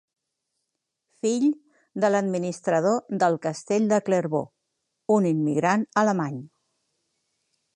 Fill de l'administrador del castell de Clervaux, un immigrant alemany.